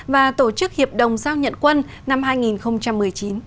và tổ chức hiệp đồng giao nhận quân năm hai nghìn một mươi chín